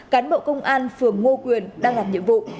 cán bộ công an phường ngô quyền đang làm nhiệm vụ